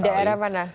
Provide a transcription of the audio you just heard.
di daerah mana